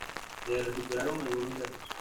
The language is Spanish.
Se recuperaron algunos restos.